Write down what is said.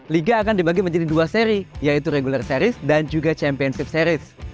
liga akan dibagi menjadi dua seri yaitu regular series dan juga championship series